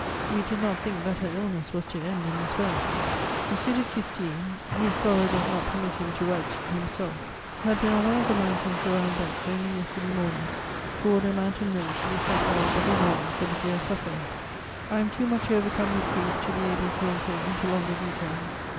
we did not think that her illness was to end in this way. M. de Custine, whose sorrow does not permit him to write to you himself, had been on one of the mountains around Bex only yesterday morning, to order mountain milk to be sent down every morning for the dear sufferer. "I am too much overcome with grief to be able to enter into longer details.